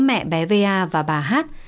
mẹ bé va và bà hát